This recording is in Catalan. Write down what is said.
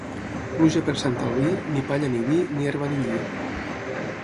Pluja per Sant Albí, ni palla ni vi, ni herba ni lli.